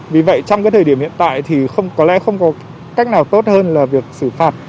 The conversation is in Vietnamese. vì vậy trong cái thời điểm hiện tại thì không có lẽ không có cách nào tốt hơn là việc xử phạt